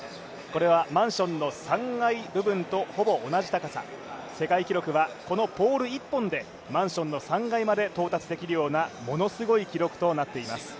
これはマンションの３階部分とほぼ同じ高さ、世界記録はこのポール１本でマンションの３階まで到達できるようなものすごい記録になっています。